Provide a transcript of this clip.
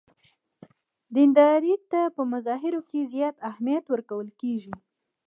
دیندارۍ په مظاهرو کې زیات اهمیت ورکول کېږي.